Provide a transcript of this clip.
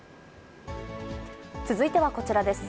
続いてはこちらです。